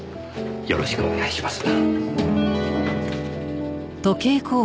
よろしくお願いします。